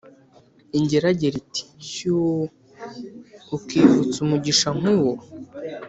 Ingeragere iti “Shyuuuu!! Ukivutsa umugisha nk’uwo!